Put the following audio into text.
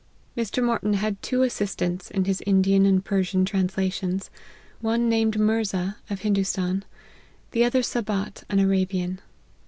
Mr. Martyn had two assistants in his Indian and Persian translations, one named Mirza, of Hindoos tan, the other Sab at, an Arabian.